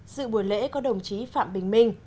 sự buổi lễ có đồng chí phạm bình minh